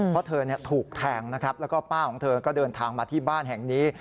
เพราะเธอถูกแทงนะครับแล้วก็ป้าของเธอก็เดินทางมาที่บ้านแห่งนี้